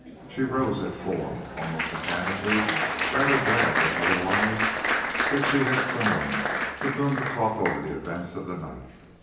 She rose at four, almost mechanically, rather glad than otherwise that she had some one with whom to talk over the events of the night.